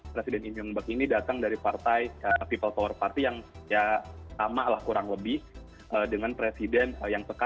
presiden im yong bak ini datang dari partai people power party yang sama kurang lebih dengan presiden yang teka